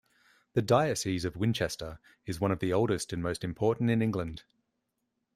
The Diocese of Winchester is one of the oldest and most important in England.